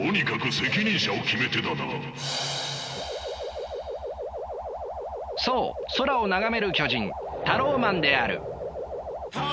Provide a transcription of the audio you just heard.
そう空を眺める巨人タローマンである。